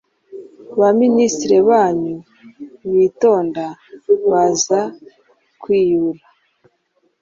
Ba Miniitiri banyu bitonda, baza kwihyura